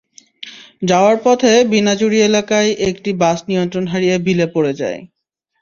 যাওয়ার পথে বিনাজুরী এলাকায় একটি বাস নিয়ন্ত্রণ হারিয়ে বিলে পড়ে যায়।